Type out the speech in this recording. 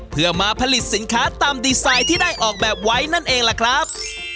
เพื่อมาผลิตสินค้าตามดีไซน์ที่ได้ออกแบบไว้นั่นเองล่ะครับ